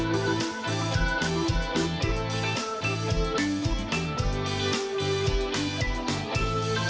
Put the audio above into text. โปรดติดตามตอนต่อไป